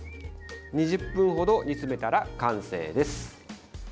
２０分程、煮詰めたら完成です。